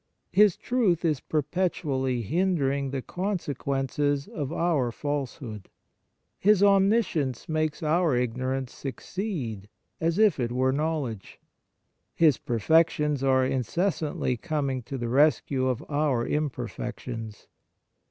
His truth is perpetually hindering the consequences of our false hood. His omniscience makes our ignor ance succeed as if it were knowledge. His perfections are incessantly coming to the rescue of our imperfections.